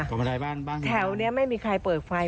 บันไดบ้านบ้างแถวนี้ไม่มีใครเปิดไฟ